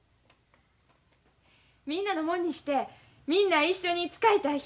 みんなのもんにしてみんな一緒に使いたい人。